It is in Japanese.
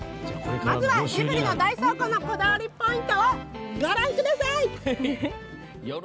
まずはジブリの大倉庫のこだわりポイントです。